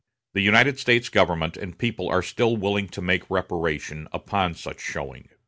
The United States government and people are still willing to make reparation upon such showing.